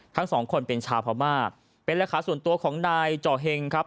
ทั้งสองคนเป็นชาวพม่าเป็นราคาส่วนตัวของนายจ่อเห็งครับ